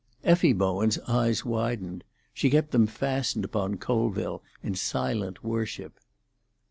Effie Bowen's eyes widened; she kept them fastened upon Colville in silent worship.